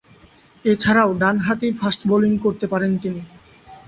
এছাড়াও, ডানহাতি fast bowling করতে পারতেন তিনি।